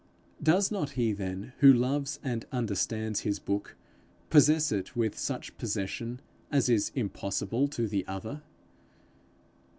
Does not he then, who loves and understands his book, possess it with such possession as is impossible to the other?